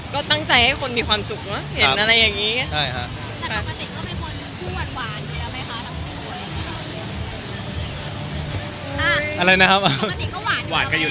ก็ตั้งใจให้คนมีความสุขจริงอะไรแบบนี้